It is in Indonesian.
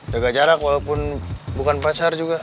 jaga jarak walaupun bukan pasar juga